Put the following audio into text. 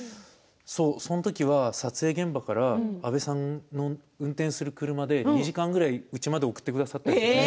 そのときは撮影現場から阿部さんの運転する車で２時間くらいうちまで優しい。